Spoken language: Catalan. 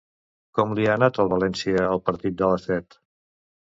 Com li ha anat al València el partit de les set?